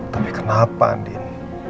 tapi kenapa andin